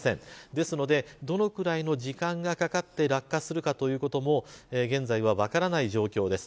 ですので、どのくらいの時間がかかって落下するかということも現在は分からない状況です。